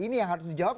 ini yang harus dijawab